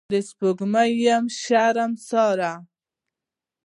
د سپوږمۍ یم شرمساره